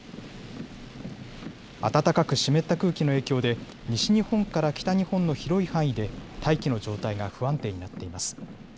暖かく湿った空気の影響で西日本から北日本の広い範囲で大気の状態が不安定になっています。